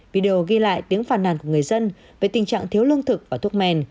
video ghi lại tiếng phàn nàn của người dân về tình trạng thiếu lương thực và thuốc men